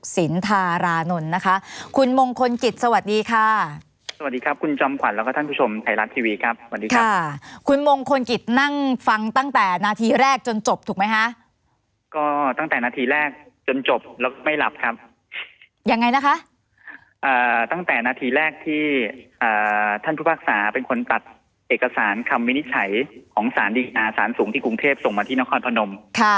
สินทารานนท์นะคะคุณมงคลกิจสวัสดีค่ะสวัสดีครับคุณจอมขวัญแล้วก็ท่านผู้ชมไทยรัฐทีวีครับสวัสดีครับค่ะคุณมงคลกิจนั่งฟังตั้งแต่นาทีแรกจนจบถูกไหมคะก็ตั้งแต่นาทีแรกจนจบแล้วไม่หลับครับยังไงนะคะตั้งแต่นาทีแรกที่ท่านผู้ภาคศาเป็นคนตัดเอกสารคำวินิจฉัยของสารดีอาสารสูงที่กรุงเทพส่งมาที่นครพนม